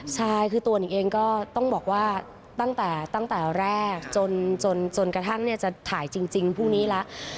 ใช่คือตัวหนิงเองก็ต้องบอกว่าตั้งแต่แรกจนกระทั่งจะถ่ายจริงพรุ่งนี้แล้ว